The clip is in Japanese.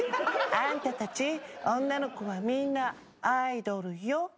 あんたたち女の子はみんなアイドルよ。